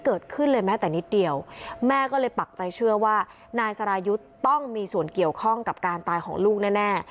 เกิดขึ้นเลยแม้แต่นิดเดียวแม่ก็เลยปักใจเชื่อว่านายสรายุทธ์ต้องมีส่วนเกี่ยวข้องกับการตายของลูกแน่